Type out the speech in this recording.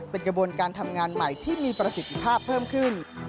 เป็นกระบวนการทำงานใหม่ที่มีประสิทธิภาพเพิ่มขึ้น